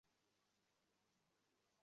তোমার মেয়ের রেঙ্ক অনুমান করো তো?